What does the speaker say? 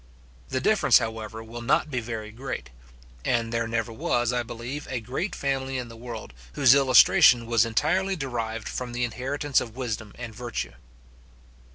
The difference, however will not be very great; and there never was, I believe, a great family in the world, whose illustration was entirely derived from the inheritance of wisdom and virtue.